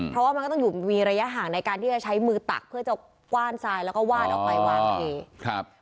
เพราะว่ามันก็ต้องอยู่มีระยะห่างในการที่จะใช้มือตักเพื่อจะกว้านทรายแล้วก็วาดออกไปวางทีครับ